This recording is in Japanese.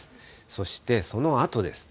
そしてそのあとです。